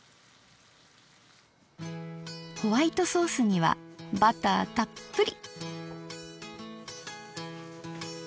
ホワイトソースにはバターたっぷり。